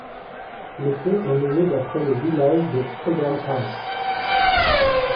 Le pont est nommé d'après le village de Cogan House.